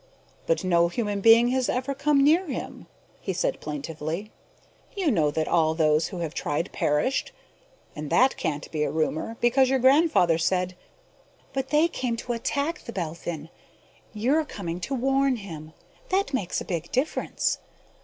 "But no human being has ever come near him!" he said plaintively. "You know that all those who have tried perished. And that can't be a rumor, because your grandfather said " "But they came to attack The Belphin. You're coming to warn him! That makes a big difference.